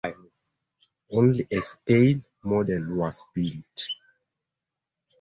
Only a scale model was built.